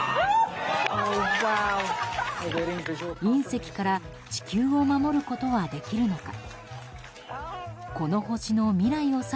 隕石から地球を守ることはできるのか。